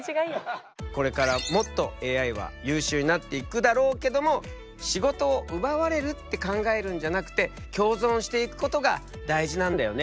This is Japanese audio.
これからもっとＡＩは優秀になっていくだろうけども仕事を奪われるって考えるんじゃなくて共存していくことが大事なんだよね。